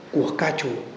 của ca trù